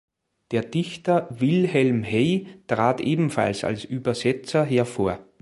Der Dichter Wilhelm Hey trat ebenfalls als Übersetzer hervor.